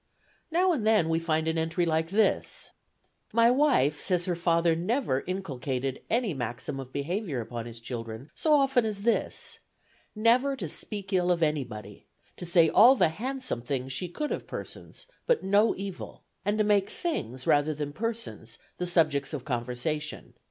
Now and then we find an entry like this: "My wife says her father never inculcated any maxim of behavior upon his children so often as this, never to speak ill of anybody; to say all the handsome things she could of persons, but no evil; and to make things, rather than persons, the subjects of conversation.